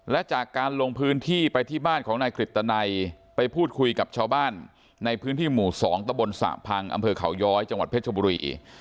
และจากการลงพื้นที่ไปที่บ้านของนายกฤตนัยไปพูดคุยกับชาวบ้านในพื้นที่หมู่๒ตะบนสระพังอำเภอเขาย้อยจังหวัดเพชรบุรี